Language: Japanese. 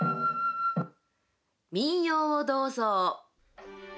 「民謡をどうぞ」。